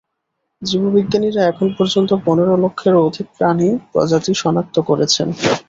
জীববিজ্ঞানীরা এখন পর্যন্ত পনেরো লক্ষেরও অধিক প্রাণী-প্রজাতি শনাক্ত করেছেন।